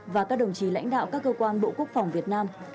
và các đồng chí lãnh đạo các cơ quan bộ quốc phòng việt nam